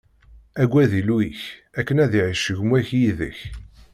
Aggad Illu-ik, akken ad iɛic gma-k yid-k.